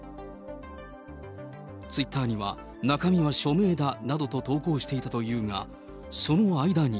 ツイッターには、中身は署名だなどと投稿していたというが、その間に。